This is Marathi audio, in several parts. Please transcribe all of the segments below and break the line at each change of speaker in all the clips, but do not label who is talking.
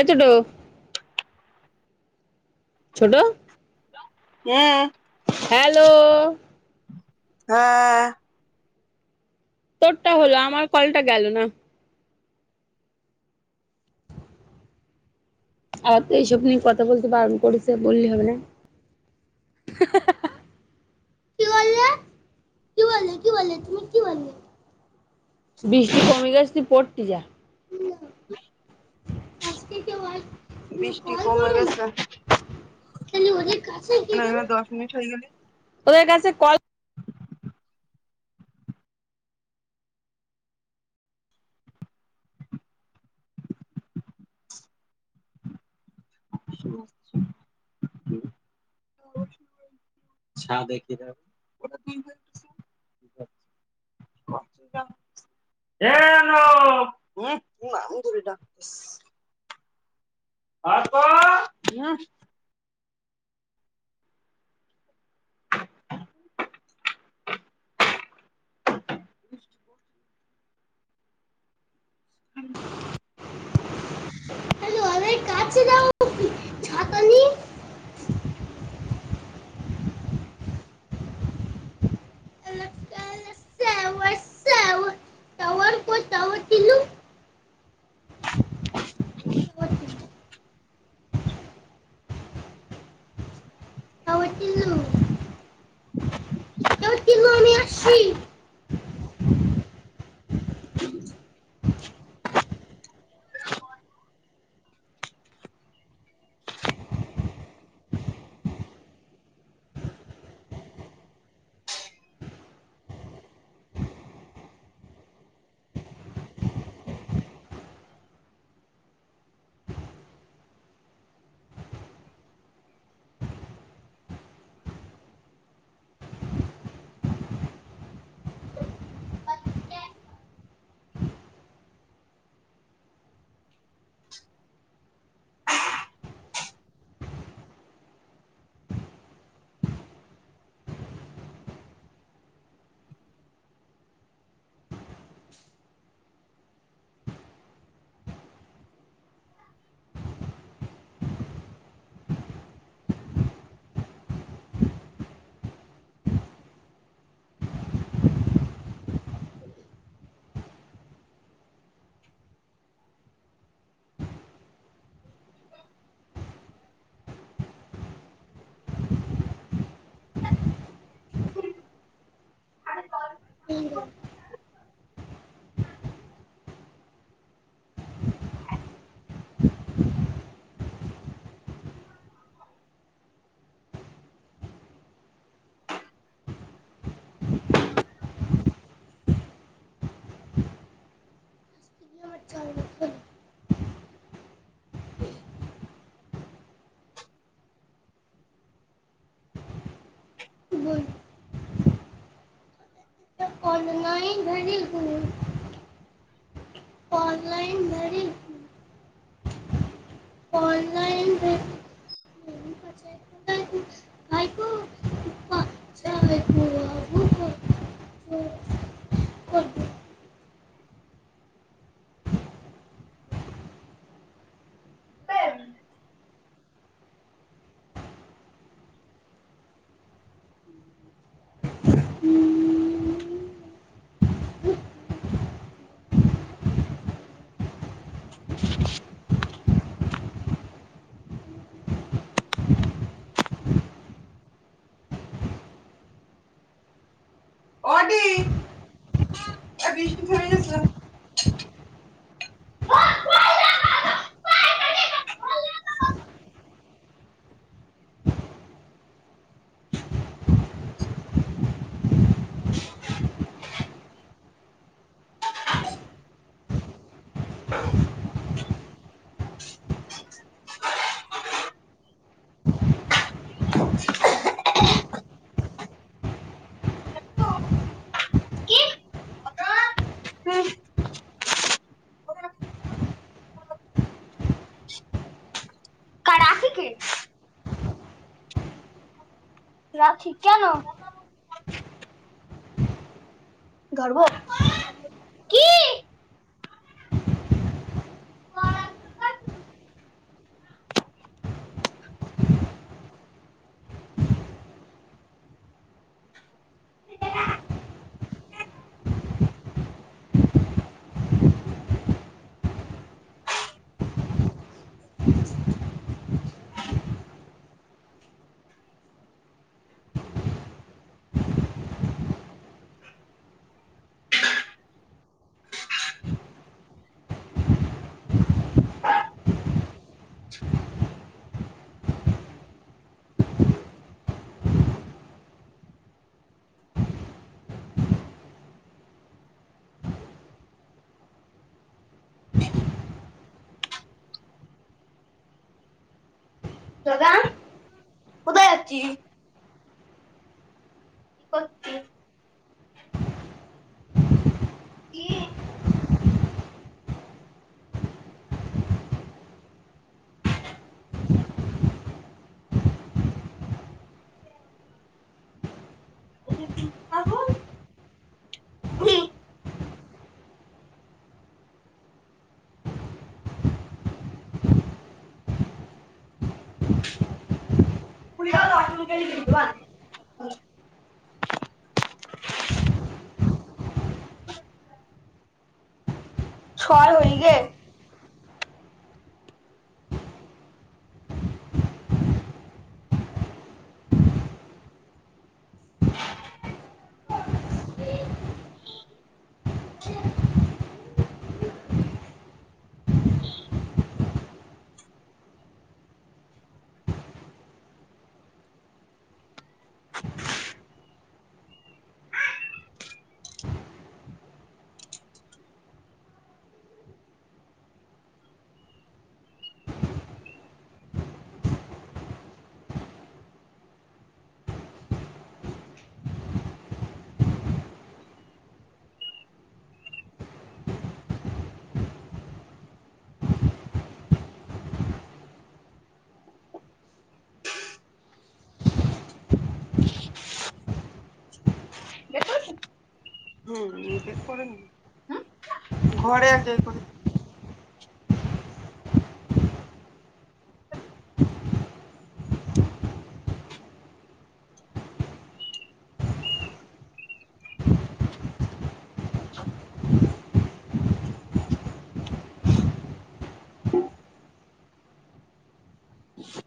यतडो [unintelligible] छोटं
हम
हॅलो
हा
तोड हल आमार कल्ट गेलो ना आ त ए सबने कथा बोलते बारण करच बोलली हो ना किवा बोलल क बोलले तुम्ही क बोलले बीष्ट कमीे गेच तु पडती जा आज वा ती कॉल कर ना तनी कास आहेेत ना
मटई गेले
त का कॉ
अ छान का ए तू आ त टास ह तो ह
का जाऊ छातनी आवटल अशी
हम
ह
ह
क अचाल बोल कौल ल नाही घडु ऑनलाईन मरी ऑनलाईन आयतो अले
हम् ते ह होट बिष्ट फरीच रा ठीक कन घर्व
ह
सगा कुदं याची कती क का खुल ना तकली क छर होई गे हम्म फेर कर न घर एक जय करली
[inaudible]
हम ह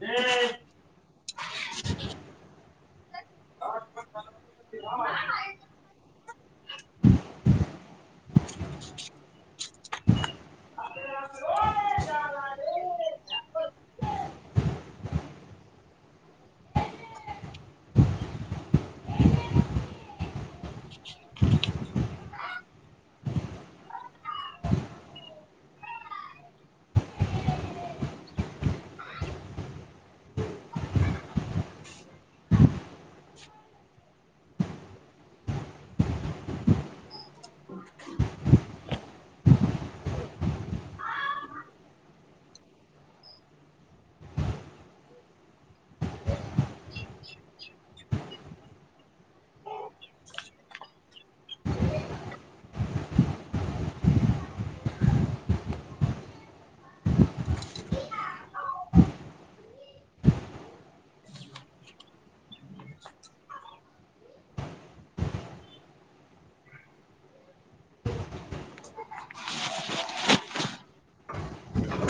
ह [inaudible]